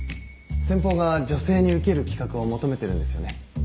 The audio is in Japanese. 先方が女性にウケる企画を求めてるんですよね。